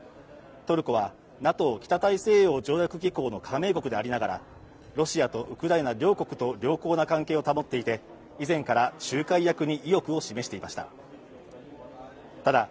トルコはＮＡＴＯ＝北大西洋条約機構の加盟国でありながらロシアとウクライナ両国と良好な関係を保っていて、以前から仲介役に意欲を示していました。